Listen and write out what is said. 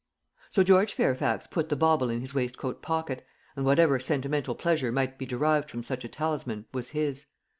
So George Fairfax put the bauble in his waistcoat pocket, and whatever sentimental pleasure might be derived from such a talisman was his.